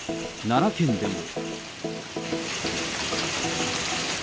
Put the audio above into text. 奈良県でも。